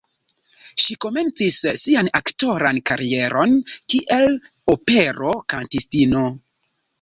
Ŝi komencis sian aktoran karieron, kiel opero-kantistino.